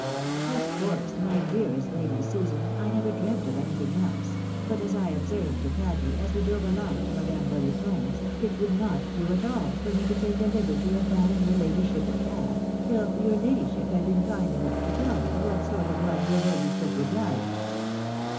" Of course, my dearest Lady Susan, I never dreamt of any thing else ; but as I observed to Patty, as we drove along to Madame Boneton's, it would not do at all for me to take the liberty of buying your ladyship a cap, till your ladyship had been kind enough to tell me what sort of one your ladyship would like."